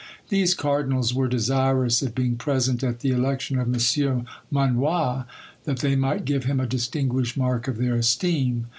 These cardinals were desirous of being present at the election of M. Monnoie, that they might give him a distinguished mark of their esteem.